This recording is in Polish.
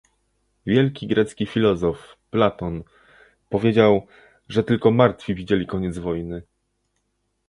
Wielki grecki filozof, Platon, powiedział, że tylko martwi widzieli koniec wojny